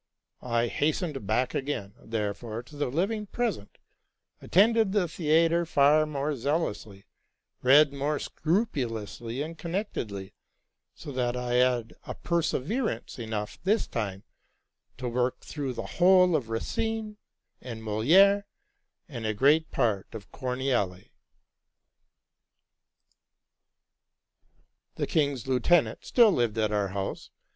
I hastened back again, therefore, to the living pres ent, attended the theatre far more zealously, read more secru pulously and connectedly, so that I had perseverance enough this time to work through the whole of Racine and Molivre and a great part of Corneille. The "king's lieutenant still lived at our house.